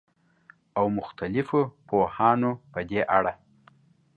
او مختلفو پوهانو په دې اړه